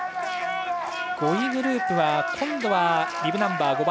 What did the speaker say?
５位グループは今度はビブナンバー